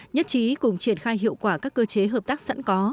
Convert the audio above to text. nhất trí cùng triển khai hiệu quả các cơ chế hợp tác sẵn có